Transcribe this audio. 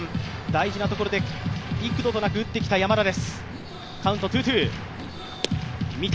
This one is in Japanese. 大事なところで幾度となく打ってきた山田です。